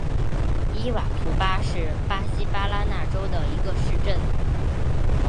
伊瓦图巴是巴西巴拉那州的一个市镇。